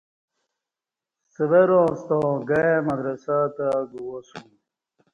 سورہ ستاگای مدرسہ تہ گوا سوم